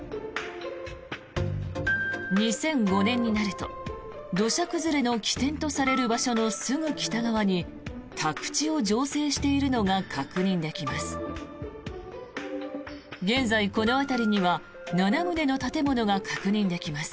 ２００５年になると土砂崩れの起点とされる場所のすぐ北側に宅地を造成しているのが確認できます。